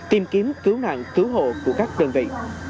tìm kiếm cứu nạn cứu hộ của các đơn vị